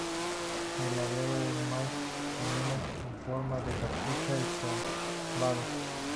El labelo es más o menos con forma de capucha y cóncavo.